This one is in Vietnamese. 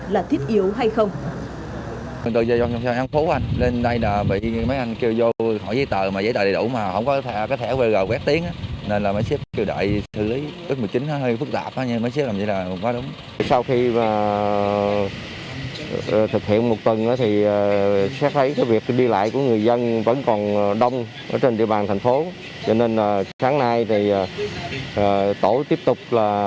là thiết yếu hay không